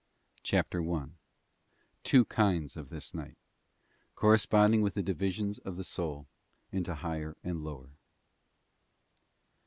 CHAPTER I, Two kinds of this night, corresponding with the division of the soul into higher and lower.